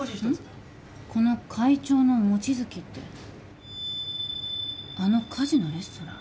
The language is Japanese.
この会長の望月ってあの火事のレストラン。